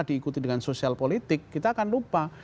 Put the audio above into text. diikuti dengan sosial politik kita akan lupa